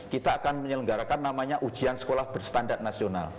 kita akan menyelenggarakan namanya ujian sekolah berstandar nasional